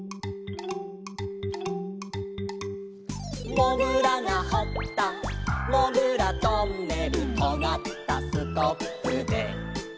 「もぐらがほったもぐらトンネル」「とがったスコップで」